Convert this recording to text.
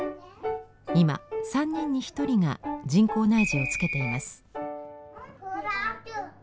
今３人に１人が人工内耳をつけています。